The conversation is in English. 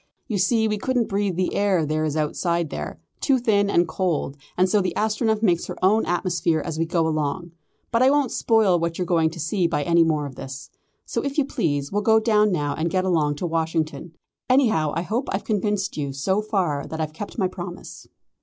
You see we couldn't breathe the air there is outside there too thin and cold and so the Astronef makes her own atmosphere as we go along. But I won't spoil what you're going to see by any more of this. So if you please, we'll go down now and get along to Washington. Anyhow, I hope I've convinced you so far that I've kept my promise."